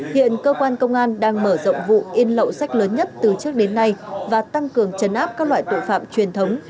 hiện cơ quan công an đang mở rộng vụ in lậu sách lớn nhất từ trước đến nay và tăng cường chấn áp các loại tội phạm truyền thống